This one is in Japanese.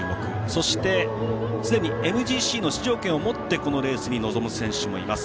そして、すでにＭＧＣの出場権をもってこのレースに臨む選手もいます。